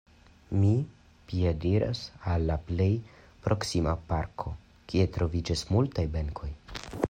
Mi piediras al la plej proksima parko, kie troviĝas multaj benkoj.